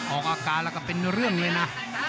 ออกอาการแล้วก็เป็นเรื่องเลยนะ